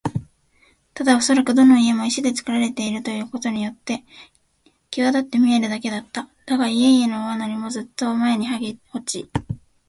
ただおそらくどの家も石でつくられているということによってきわだって見えるだけだった。だが、家々の上塗りもずっと前にはげ落ち、